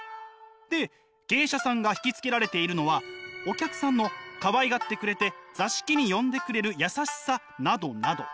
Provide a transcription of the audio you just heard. で芸者さんが惹きつけられているのはお客さんのかわいがってくれて座敷に呼んでくれる優しさなどなど。